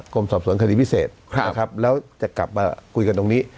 กรมสอบส่วนคดีพิเศษและจะกลับมาคุยกันตรงนี้